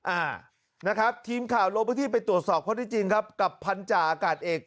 อ่านะครับทีมข่าวลงพื้นที่ไปตรวจสอบข้อที่จริงครับกับพันธาอากาศเอก